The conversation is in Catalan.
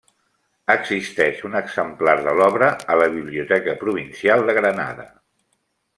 Existeix un exemplar de l'obra a la Biblioteca Provincial de Granada.